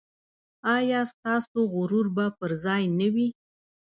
ایا ستاسو غرور به پر ځای نه وي؟